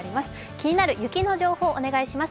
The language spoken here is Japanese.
気になる雪の情報をお願いします。